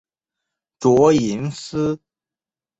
卓颖思。